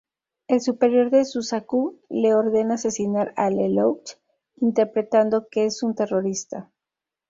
El superior de Suzaku le ordena asesinar a Lelouch interpretando que es un terrorista.